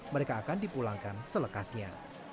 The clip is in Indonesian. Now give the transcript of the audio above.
mereka akan dipulangkan selekasnya